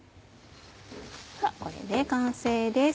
これで完成です。